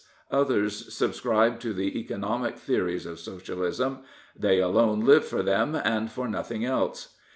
Others subscribe to the economic theories of Socialism, They alone live for them and for nothing else.